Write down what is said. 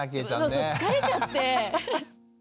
そうそう疲れちゃって。